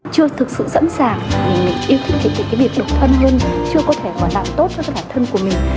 chưa thực sự dẫn dàng mình yêu thích cái việc độc thân hơn chưa có thể làm tốt cho bản thân của mình